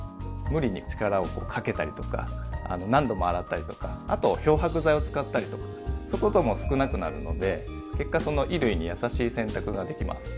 無理に力をこうかけたりとか何度も洗ったりとかあと漂白剤を使ったりとかそういうことも少なくなるので結果衣類にやさしい洗濯ができます。